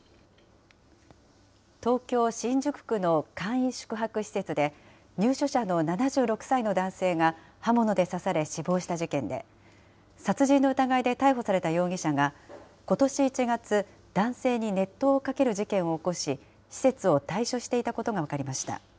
東京・新宿区の簡易宿泊施設で、入所者の７６歳の男性が刃物で刺され死亡した事件で、殺人の疑いで逮捕された容疑者が、ことし１月、男性に熱湯をかける事件を起こし、施設を退所していたことが分かりました。